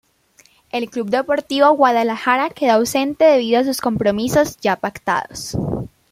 El Club Deportivo Guadalajara quedó ausente debido a sus compromisos ya pactados.